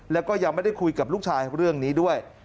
แล้วก็ยังไม่ได้คุยกับลูกชายเรื่องนี้ด้วย